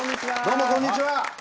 どうもこんにちは。